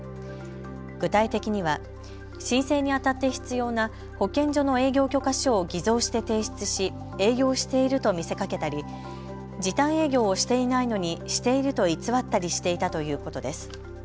具体的には申請にあたって必要な保健所の営業許可書を偽造して提出し、営業していると見せかけたり時短営業をしていないのにしていると偽ったりしていたということです。